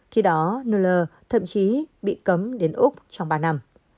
khi đó nueller thậm chí bị cấm đến úc trong ba năm